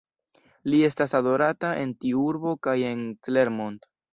Li estas adorata en tiu urbo kaj en Clermont.